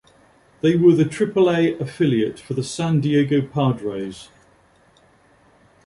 They were the Triple-A affiliate for the San Diego Padres.